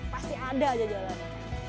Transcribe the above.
pasti ada aja jalan